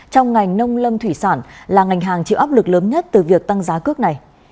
trong ngành nông lâm thủy sản là ngành hàng chịu áp lực lớn nhất từ việc tăng giá cước này